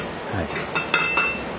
はい。